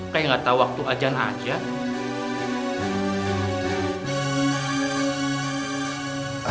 kayak nggak tahu waktu ajan aja